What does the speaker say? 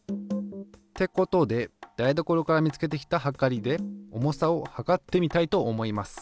ってことで台所から見つけてきたはかりで重さを量ってみたいと思います。